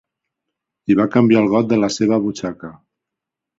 I va canviar el got de la seva butxaca.